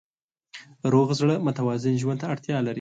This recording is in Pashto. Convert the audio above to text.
روغ زړه متوازن ژوند ته اړتیا لري.